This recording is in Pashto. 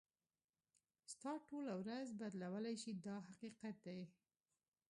ستا ټوله ورځ بدلولای شي دا حقیقت دی.